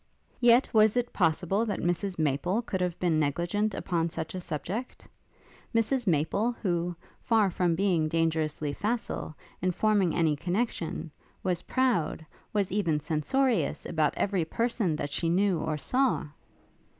Yet, was it possible that Mrs Maple could have been negligent upon such a subject? Mrs Maple who, far from being dangerously facile, in forming any connexion, was proud, was even censorious about every person that she knew or saw?